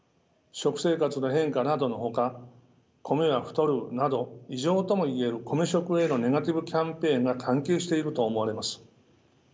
食生活の変化などのほか米は太るなど異常とも言える米食へのネガティブキャンペーンが関係していると思われます。